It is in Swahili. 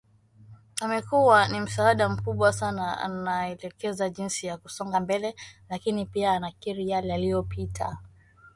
amekuwa ni msaada mkubwa sana anaelekeza jinsi ya kusonga mbele lakini pia anakiri yale yaliyopita